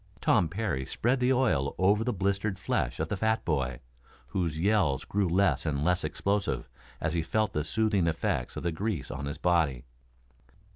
Tom Parry spread the oil over the blistered flesh of the fat boy, whose yells grew less and less explosive as he felt the soothing effects of the grease on his body.